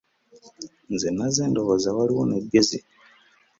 Nze nazze ndowooza waliwo n'eggezi.